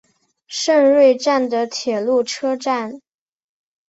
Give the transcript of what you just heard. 胜瑞站的铁路车站。